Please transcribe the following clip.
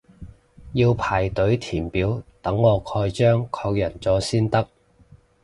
要排隊填表等我蓋章確認咗先得